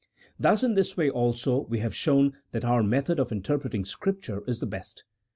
Thus in this way also, we have shown that our method of interpreting Scripture is the best.